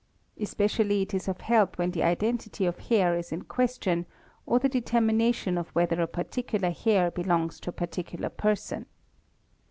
Especially is it of help when the identity of hair is in question or the determination of whether a particular hair belongs to a particular person.